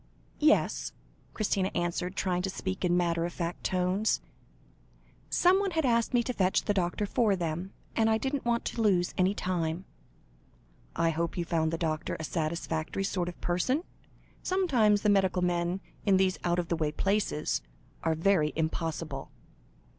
"Yes," Christina, answered, trying to speak in matter of fact tones; "someone had asked me to fetch the doctor for them, and I didn't want to lose any time." "I hope you found the doctor a satisfactory sort of person? Sometimes the medical men in these out of the way places, are very impossible."